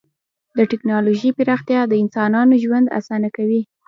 د ټکنالوژۍ پراختیا د انسانانو ژوند اسانه کوي.